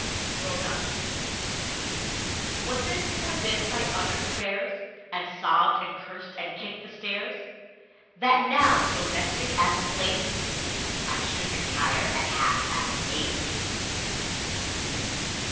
Grown up WAS it for this I uttered prayers, And sobbed and cursed and kicked the stairs, That now, domestic as a plate, I should retire at half past eight?